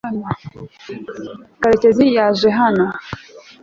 karekezi yaje hano